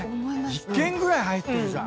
１件ぐらい入ってるじゃん。